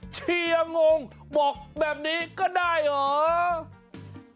เชียร์งงบอกแบบนี้ก็ได้เหรอ